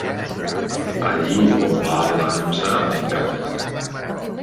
Allí a on va l'ansa va el calder.